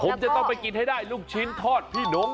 ผมจะต้องไปกินให้ได้ลูกชิ้นทอดพี่หนง